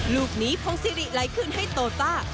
ลูกนี้พร้อมซีรีส์ไล่ขึ้นให้โตต้า